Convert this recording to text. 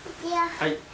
はい。